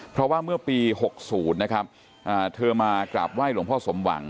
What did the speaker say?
เพราะว่าเมื่อปี๖๐นะครับเธอมากราบไห้หลวงพ่อสมหวัง